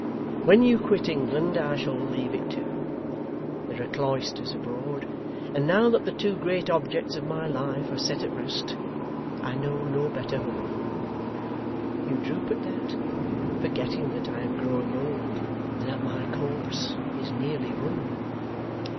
When you quit England I shall leave it too. There are cloisters abroad; and now that the two great objects of my life are set at rest, I know no better home. You droop at that, forgetting that I am growing old, and that my course is nearly run.